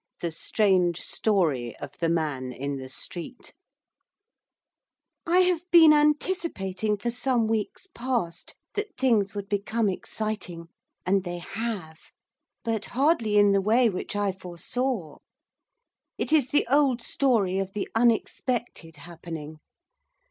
THE STRANGE STORY OF THE MAN IN THE STREET I have been anticipating for some weeks past, that things would become exciting, and they have. But hardly in the way which I foresaw. It is the old story of the unexpected happening.